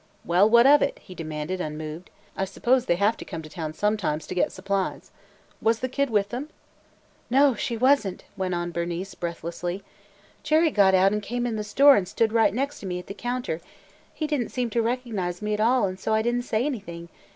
"Well, what of it?" he demanded, unmoved. "I suppose they have to come to town sometimes to get supplies. Was the kid with them?" "No, she was n't," went on Bernice breathlessly. "Jerry got out and came in the store and stood right next to me at the counter. He did n't seem to recognize me at all and so I did n't say anything.